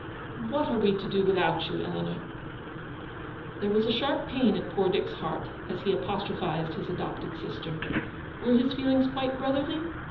What are we to do without you, Eleanor ?" 222 Eleanor's victory. There was a sharp pain at poor Dick's heart as he apostrophised his adopted sister. Were his feelings quite brotherly